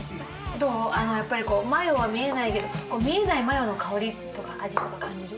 どうやっぱりマヨは見えないけど見えないマヨの香りとか味とか感じる？